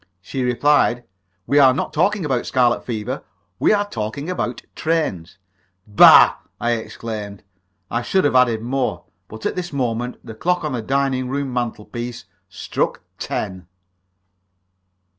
She replied: "We are not talking about scarlet fever; we are talking about trains!" "Bah!" I exclaimed. I should have added more, but at this moment the clock on the dining room mantelpiece struck ten.